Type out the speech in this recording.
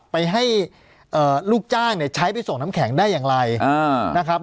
ไปให้ลูกจ้างเนี่ยใช้ไปส่งน้ำแข็งได้อย่างไรนะครับ